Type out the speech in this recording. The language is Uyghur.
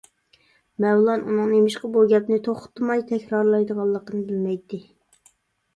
مەۋلان ئۇنىڭ نېمىشقا بۇ گەپنى توختىماي تەكرارلايدىغانلىقىنى بىلمەيتتى.